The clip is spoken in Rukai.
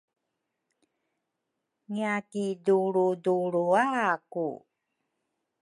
ngiakidulrudulruaku.